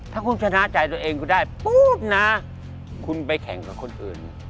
ถ้าคุณชนะใจตัวเองคุณได้ปู๊ดนะคุณไปแข่งกับคนอื่น